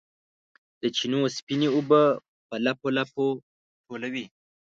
د چینو سپینې اوبه په لپو، لپو ټولوي